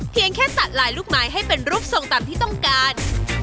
เพียงแค่ตัดลายลูกไม้ให้เป็นรูปทรงตามที่ต้องการ